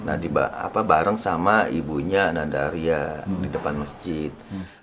nah bareng sama ibunya nada arya di depan masjid